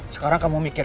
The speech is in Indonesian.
sekarang kamu mikir